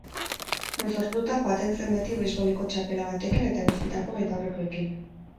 Mozorrotuta joaten zen beti beisboleko txapela batekin eta eguzkitako betaurrekoekin.